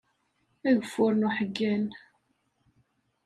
Ageffur n uḥeggan.